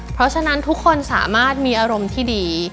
เพราะฉะนั้นทุกคนสามารถมีอารมณ์ที่ดี